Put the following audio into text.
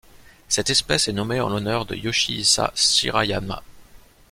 Cette espèce est nommée en l'honneur de Yoshihisa Shirayama.